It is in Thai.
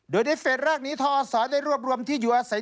โดยในเฟสแรกนี้ทอศได้รวบรวมที่อยู่อาศัย